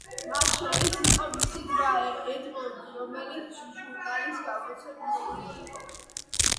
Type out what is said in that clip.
მათ შორის იყო მისი ძმა ედმონი, რომელიც ჟურნალის გამომცემელი იყო.